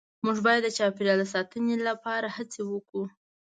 مونږ باید د چاپیریال د ساتنې لپاره هڅې وکړو